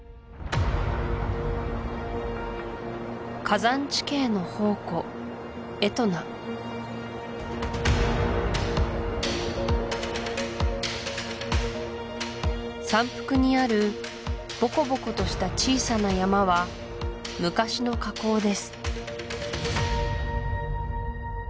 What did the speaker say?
火山地形の宝庫エトナ山腹にあるぼこぼことした小さな山は昔の火口です